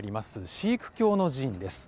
シーク教の寺院です。